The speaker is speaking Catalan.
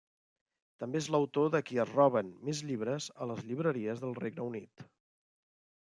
També és l'autor de qui es roben més llibres a les llibreries del Regne Unit.